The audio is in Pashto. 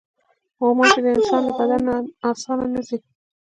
غوماشې د انسان له بدن نه اسانه نه ځي.